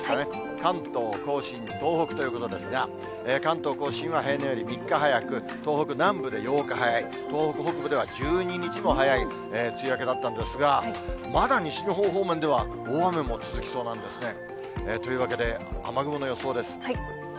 関東甲信、東北ということですが、関東甲信は平年より３日早く、東北南部で８日早い、東北北部では１２日も早い梅雨明けだったんですが、まだ西日本方面では、大雨も続きそうなんですね。というわけで、雨雲の予想です。